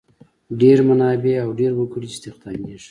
ډېر منابع او ډېر وګړي استخدامیږي.